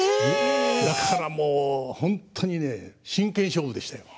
だからもう本当に真剣勝負でしたよ。